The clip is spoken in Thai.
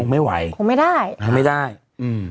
ไม่ไหวคงไม่ได้คงไม่ได้อืม